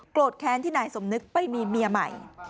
แค้นที่นายสมนึกไปมีเมียใหม่